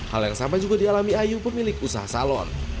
hal yang sama juga dialami ayu pemilik usaha salon